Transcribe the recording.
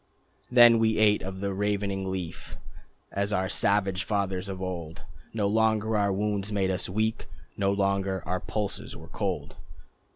..... Then we ate of the ravening Leaf As our savage fathers of old. No longer our wounds made us weak, No longer our pulses were cold.